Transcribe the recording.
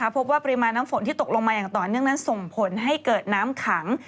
พบว่าปริมาณน้ำฝนที่ตกลงมาอย่างต่อเนื่องนั้นส่งผลให้เกิดน้ำขัง